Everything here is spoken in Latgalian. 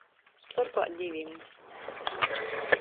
Storpā divim.